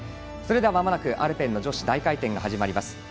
それでは、まもなくアルペン女子大回転が始まります。